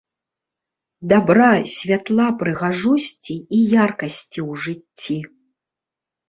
Дабра, святла, прыгажосці і яркасці ў жыцці!